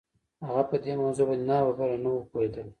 هغه په دې موضوع باندې ناببره نه و پوهېدلی.